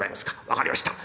分かりました。